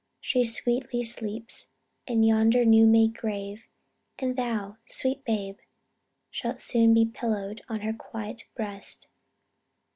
She sweetly sleeps In yonder new made grave; and thou, sweet babe, Shalt soon be pillowed on her quiet breast.